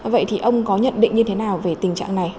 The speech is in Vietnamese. vậy thì ông có nhận định như thế nào về tình trạng này